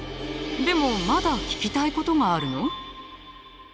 でもまだ聞きたいことがあるの？